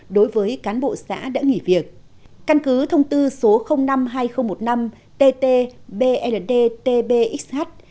đối với cán bộ xã đã nghỉ việc căn cứ thông tư số năm hai nghìn một mươi năm tt brd tbxh